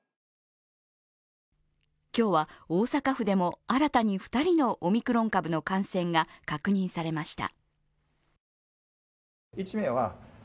今日は大阪府でも新たに２人のオミクロン株の感染が確認されました。